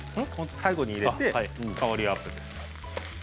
最後に入れて香りアップです。